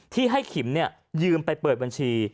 ที่ให้ขิมยืมไปเปิดบัญชี